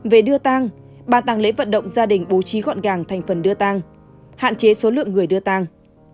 về đưa tang bà tang lễ vận động gia đình bố trí gọn gàng thành phần đưa tang hạn chế số lượng người đưa tang